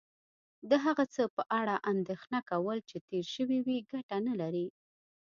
د هغه څه په اړه اندېښنه کول چې تیر شوي وي کټه نه لرې